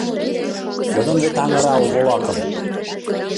Йодын вет, аҥыра, у волакым!